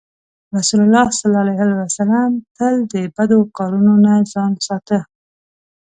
رسول الله ﷺ تل د بدو کارونو نه ځان ساته.